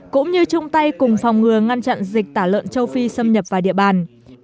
cũng như chung tay cùng phòng ngừa ngăn chặn dịch tả lợn châu phi xâm nhập vào địa bàn